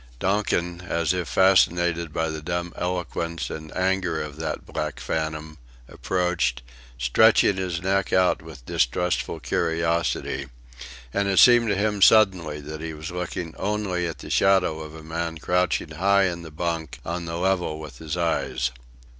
Donkin, as if fascinated by the dumb eloquence and anger of that black phantom, approached, stretching his neck out with distrustful curiosity; and it seemed to him suddenly that he was looking only at the shadow of a man crouching high in the bunk on the level with his eyes.